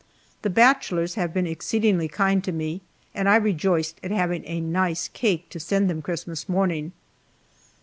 The bachelors have been exceedingly kind to me, and I rejoiced at having a nice cake to send them Christmas morning.